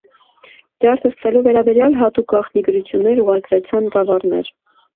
Ջարդը սկսելու վերաբերեալ յատուկ գաղտնի գրութիւններ ուղարկուեցան գաւառներ։